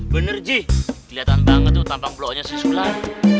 bener ji keliatan banget tuh tampang bloknya si sulam